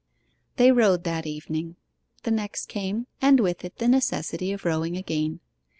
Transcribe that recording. They rowed that evening; the next came, and with it the necessity of rowing again.